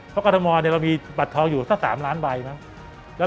เพราะกฎมเนี่ยเรามีบัตรทองอยู่สก๓ล้านใบนะครับ